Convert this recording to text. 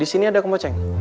disini ada kemoceng